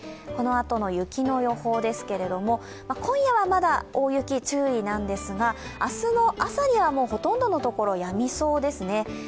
このあとの雪の予報ですけど、今夜はまだ大雪、注意なんですが、明日の朝にはほとんどの所、やみそうですね。